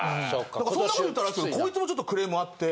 何かそんなこと言ったらこいつもちょっとクレームあって。